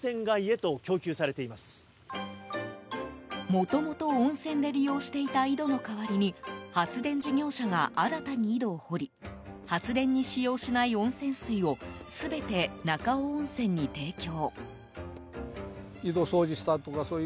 もともと、温泉で利用していた井戸の代わりに発電事業者が新たに井戸を掘り発電に使用しない温泉水を全て中尾温泉に提供。